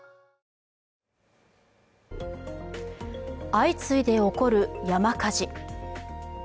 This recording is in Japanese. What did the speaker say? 相次いで起こる山火事。